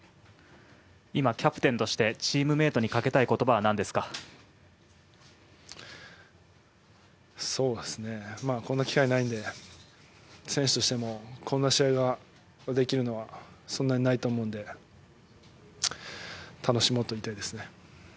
今、キャプテンとしてチームメイトにかけたい言葉はこんな機会ないので選手としてもこんな試合ができるのはそんなにないと思うので楽しもうと言いたいです。